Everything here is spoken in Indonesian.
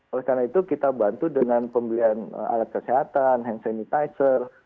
oleh karena itu kita bantu dengan pembelian alat kesehatan hand sanitizer